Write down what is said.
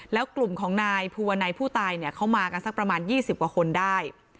แล้วกลุ่มของนายภูวนัยผู้ตายเนี่ยเขามากันสักประมาณ๒๐กว่าคนได้